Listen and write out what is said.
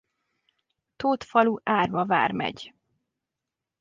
Tót falu Árva Vármegy.